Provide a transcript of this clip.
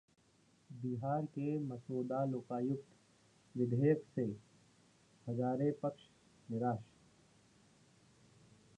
बिहार के मसौदा लोकायुक्त विधेयक से हज़ारे-पक्ष निराश